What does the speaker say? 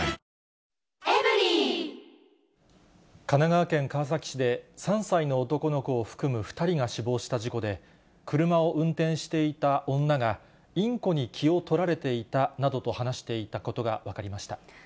神奈川県川崎市で、３歳の男の子を含む２人が死亡した事故で、車を運転していた女が、インコに気を取られていたなどと話していたことが分かりました。